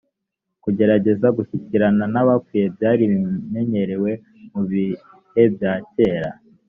kugerageza gushyikirana n abapfuye byari bimenyerewe mu bihe bya kera